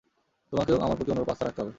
তোমাকেও আমার প্রতি অনুরূপ আস্থা রাখতে হবে!